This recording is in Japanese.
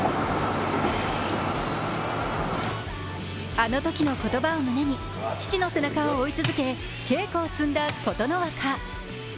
あのときの言葉を胸に、父の背中を追い続け、稽古を積んだ琴ノ若。